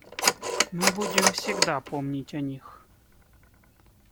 Мы будем всегда помнить о них.